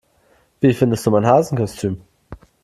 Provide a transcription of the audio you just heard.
Wie findest du mein Hasenkostüm?